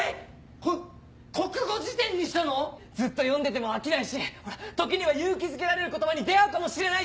こ国語辞典にしたの⁉ずっと読んでても飽きないしほら時には勇気づけられる言葉に出合うかもしれないじゃないか。